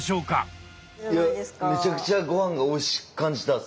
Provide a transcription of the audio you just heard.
いやめちゃくちゃごはんがおいしく感じた。